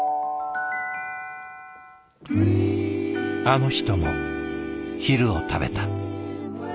あの人も昼を食べた。